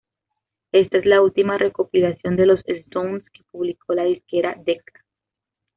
Esta es la última recopilación de los Stones que publicó la disquera Decca.